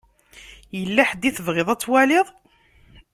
Yella ḥedd i tebɣiḍ ad twaliḍ?